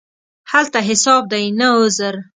هلته حساب دی، نه عذر.